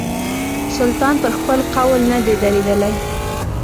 سلطان پر خپل قول نه دی درېدلی.